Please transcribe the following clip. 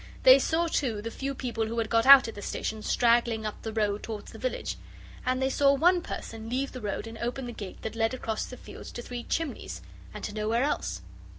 They saw, too, the few people who had got out at the station straggling up the road towards the village and they saw one person leave the road and open the gate that led across the fields to Three Chimneys and to nowhere else.